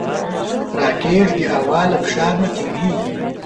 راکټ د هوا له فشار نه تېریږي